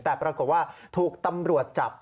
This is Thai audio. แต่ปรากฏว่าถูกตำรวจจับ